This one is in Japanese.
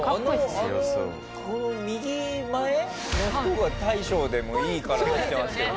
あのこの右前の人が大将でもいい体してますけどね。